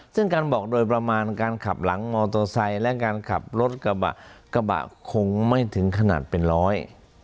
ซึ่งการบอกโดยประมาณการขับหลังมอเตอร์ไซค์และการขับรถกระบะกระบะคงไม่ถึงขนาดเป็นร้อย